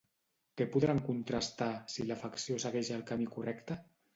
Què podran contrastar, si l'afecció segueix el camí correcte?